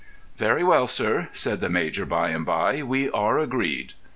"Very well, sir," said the major by and by; "we are agreed."